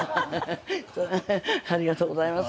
ありがとうございます。